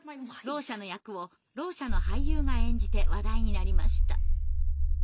ろう者の役をろう者の俳優が演じて話題になりました。